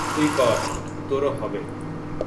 তুই কর, তোরও হবে।